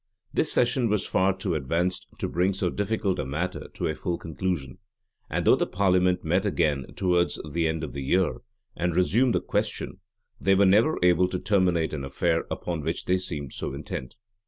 This session was too far advanced to bring so difficult a matter to a full conclusion; and though the parliament met again towards the end of the year, and resumed the question, they were never able to terminate an affair upon which they seemed so intent.